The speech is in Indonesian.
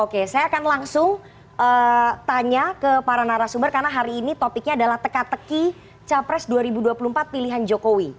oke saya akan langsung tanya ke para narasumber karena hari ini topiknya adalah teka teki capres dua ribu dua puluh empat pilihan jokowi